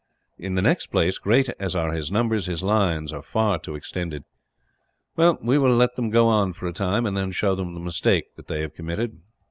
In the next place, great as are his numbers, his lines are far too extended. "Well, we will let them go on for a time; and then show them the mistake that they have committed."